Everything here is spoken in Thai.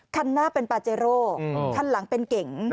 คันหน้าเป็นปาเจโร่คันหลังเป็นเก๋ง